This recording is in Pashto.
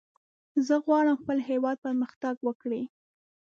زه غواړم خپل هېواد پرمختګ وکړي.